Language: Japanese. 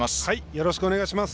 よろしくお願いします。